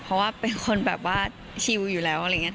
เพราะว่าเป็นคนแบบว่าชิวอยู่แล้วอะไรอย่างนี้